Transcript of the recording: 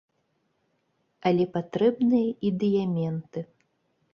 Але патрэбныя і дыяменты.